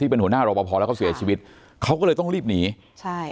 เป็นหัวหน้ารอปภแล้วเขาเสียชีวิตเขาก็เลยต้องรีบหนีใช่